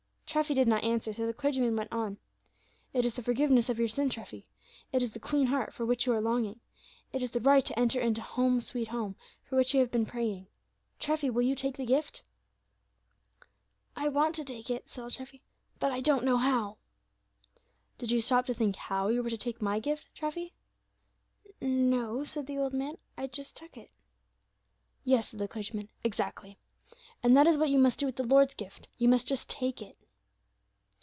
Treffy did not answer, so the clergyman went on: "It is the forgiveness of your sin, Treffy; it is the clean heart, for which you are longing; it is the right to enter into 'Home, sweet Home,' for which you have been praying, Treffy; will you take the gift?" "I want to take it," said old Treffy, "but I don't know how." "Did you stop to think how you were to take my gift, Treffy?" "No," said the old man, "I just took it." "Yes," said the clergyman, "exactly; and that is what you must do with the Lord's gift; you must just take it."